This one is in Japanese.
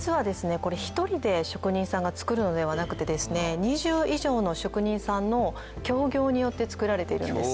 これ１人で職人さんが作るのではなくてですね２０以上の職人さんの協業によって作られているんです